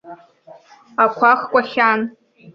Ақәа хқәахьан.